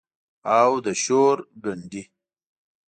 او د شور ګنډي